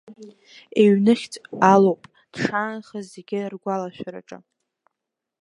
Иҩныхьӡ алоуп дшаанхаз зегьы ргәалашәараҿы!